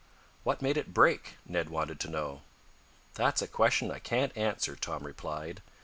"What made it break?" Ned wanted to know. "That's a question I can't answer," Tom replied.